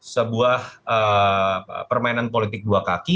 sebuah permainan politik dua kaki